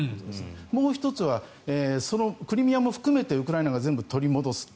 もう１つはそのクリミアも含めてウクライナが全部取り戻す。